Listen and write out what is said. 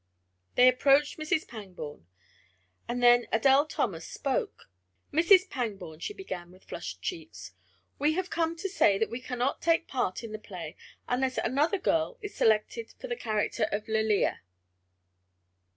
They approached Mrs. Pangborn and then Adele Thomas spoke. "Mrs. Pangborn," she began with flushed cheeks, "we have come to say that we cannot take part in the play unless another girl is selected for the character of Lalia."